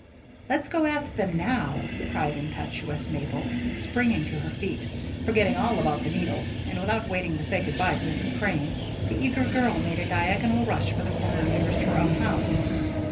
"Let's go ask them now," cried impetuous Mabel, springing to her feet. Forgetting all about the needles and without waiting to say good by to Mrs. Crane, the eager girl made a diagonal rush for the corner nearest her own home.